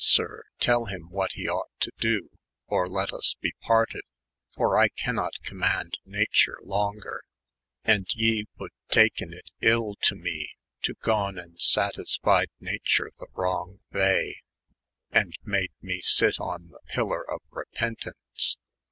Sir, tell him what he ought to doe, or let us be pairted, for I can not comand natur longer ; and ye void taiken it ill to me to gon & satisfied nature the wrong vay, and mad me sit on the pillar of repentance."